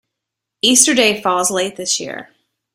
Easter Day falls late this year